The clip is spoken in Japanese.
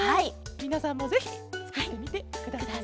みなさんもぜひつくってみてくださいケロ。